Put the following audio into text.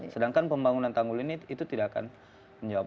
sedangkan pembangunan tanggul ini itu tidak akan menjawab